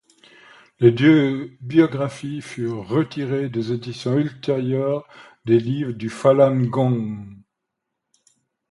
Les deux biographies furent retirées des éditions ultérieures des livres du Falun Gong.